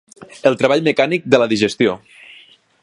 El treball mecànic de la digestió.